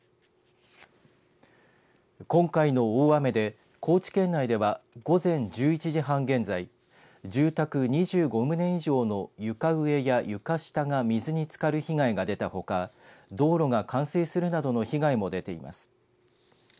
今回の大雨で高知県内では、午前１１時半現在住宅２５棟以上の床上や床下が水につかる被害が出たほか道路が冠水するなどの被害も出ています。